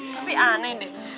tapi aneh deh